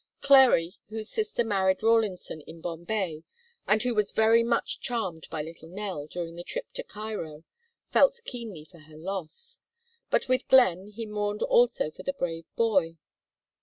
Clary, whose sister married Rawlinson in Bombay and who was very much charmed by little Nell during the trip to Cairo, felt keenly her loss. But with Glenn, he mourned also for the brave boy.